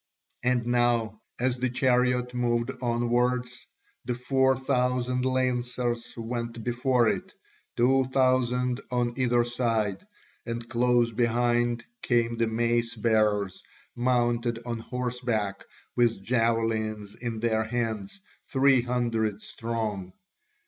And now, as the chariot moved onwards, the four thousand lancers went before it, two thousand on either side, and close behind came the mace bearers, mounted on horseback, with javelins in their hands, three hundred strong.